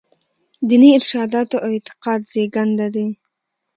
دیني ارشاداتو او اعتقاد زېږنده دي.